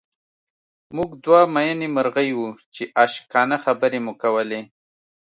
موږ دوه مئینې مرغۍ وو چې عاشقانه خبرې مو کولې